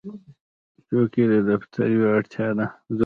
چوکۍ د دفتر یوه اړتیا ده.